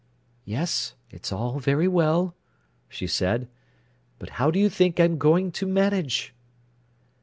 "Yes, it's all very well," she said; "but how do you think I'm going to manage?"